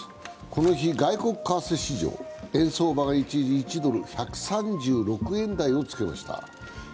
この日、外国為替市場、円相場が一時、１ドル＝１３６円台をつけました。